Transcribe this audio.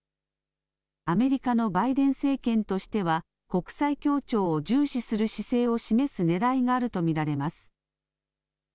アメリカのバイデン政権としては国際協調を重視する姿勢を示すねらいがあると見られます。